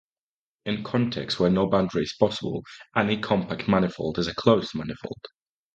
In contexts where no boundary is possible, any compact manifold is a closed manifold.